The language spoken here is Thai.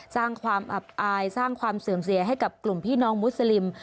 สร้างความอับอายสร้างความเสื่อมเสียให้กับกลุ่มพี่น้องมุสลิม